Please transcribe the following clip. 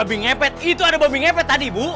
itu ada babi ngepet tadi bu